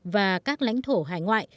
và các lãnh thổ hải ngoại